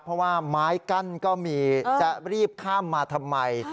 เพราะว่าไม้กั้นก็มีจะรีบข้ามมาทำไม